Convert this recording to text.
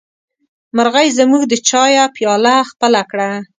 مرغۍ زموږ د چايه پياله خپله کړه.